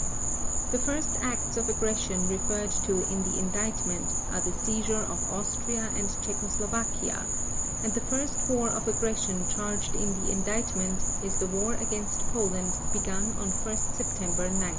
The first acts of aggression referred to in the Indictment are the seizure of Austria and Czechoslovakia; and the first war of aggression charged in the Indictment is the war against Poland begun on 1 September 1939.